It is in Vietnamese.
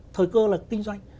thời cơ là kinh doanh